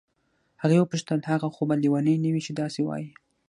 هغې وپوښتل هغه خو به لیونی نه وي چې داسې وایي.